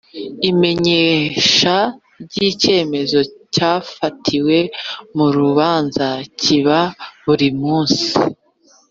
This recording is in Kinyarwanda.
Imenyesha ry ‘icyemezo cyafatiwe murubanza kiba burimunsi.